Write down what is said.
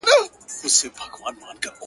اوس به دې خپل وي آینده به ستا وي.!